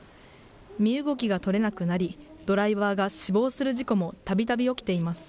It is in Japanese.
身動きが取れなくなり、ドライバーが死亡する事故もたびたび起きています。